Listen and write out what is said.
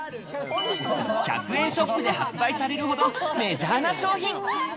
１００円ショップで発売されるほどメジャーな商品。